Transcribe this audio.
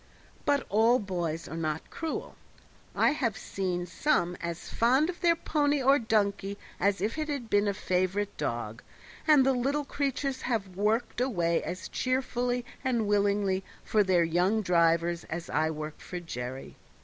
But all boys are not cruel. I have seen some as fond of their pony or donkey as if it had been a favorite dog, and the little creatures have worked away as cheerfully and willingly for their young drivers as I work for Jerry.